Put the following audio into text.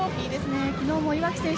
昨日も岩城選手